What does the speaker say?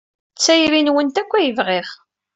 D tayri-nwent kan ay bɣiɣ.